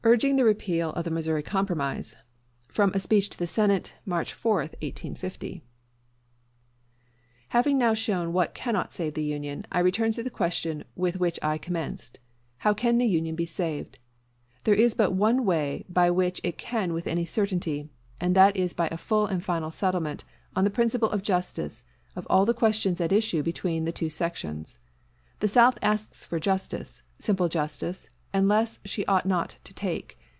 URGING REPEAL OF THE MISSOURI COMPROMISE From Speech in the Senate, March 4th, 1850 Having now shown what cannot save the Union, I return to the question with which I commenced, How can the Union be saved? There is but one way by which it can with any certainty; and that is by a full and final settlement, on the principle of justice, of all the questions at issue between the two sections. The South asks for justice, simple justice, and less she ought not to take.